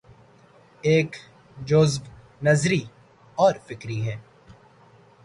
ایک جزو نظری اور فکری ہے۔